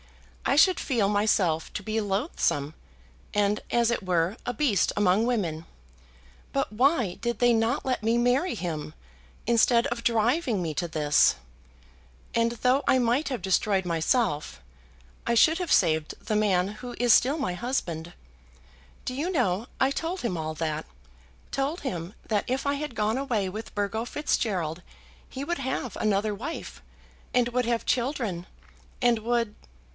I should feel myself to be loathsome, and, as it were, a beast among women. But why did they not let me marry him, instead of driving me to this? And though I might have destroyed myself, I should have saved the man who is still my husband. Do you know, I told him all that, told him that if I had gone away with Burgo Fitzgerald he would have another wife, and would have children, and would